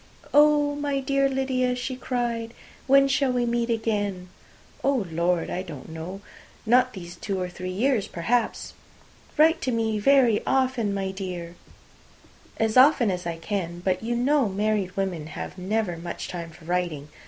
"Oh, my dear Lydia," she cried, "when shall we meet again?" "Oh, Lord! I don't know. Not these two or three years, perhaps." "Write to me very often, my dear." "As often as I can. But you know married women have never much time for writing.